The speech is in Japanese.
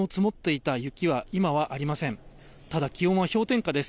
ただ気温は氷点下です。